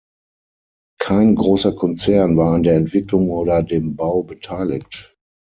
Kein großer Konzern war an der Entwicklung oder dem Bau beteiligt.